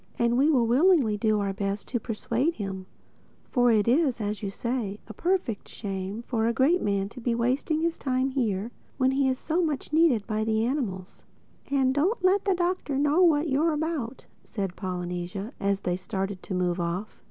"And we will willingly do our very best to persuade him—for it is, as you say, a perfect shame for the great man to be wasting his time here when he is so much needed by the animals." "And don't let the Doctor know what you're about," said Polynesia as they started to move off.